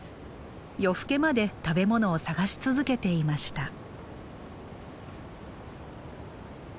夜更けまで食べ物を探し続けていました。